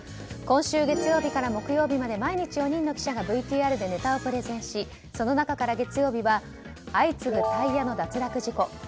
今週月曜日から木曜日まで毎日４人の記者がＶＴＲでネタをプレゼンしその中から月曜日は相次ぐタイヤの脱落事故。